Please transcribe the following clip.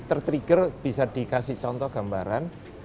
ter trigger bisa dikasih contoh gambaran